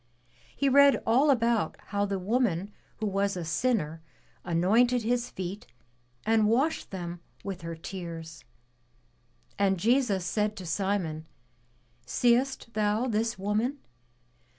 He read all about how the woman who was a sinner anointed his feet and washed them with her tears. And Jesus said to Simon, Seest thou this woman?